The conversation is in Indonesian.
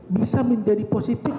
bisa menjadi positif